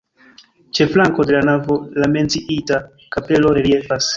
Ĉe flanko de la navo la menciita kapelo reliefas.